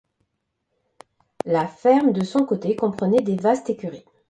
La ferme de son côté comprenait des vastes écuries.